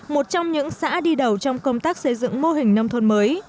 một trong những xã đi đầu trong công tác xây dựng mô hình nông thôn mới